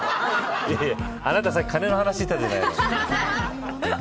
あなたはさっき金の話をしたじゃない。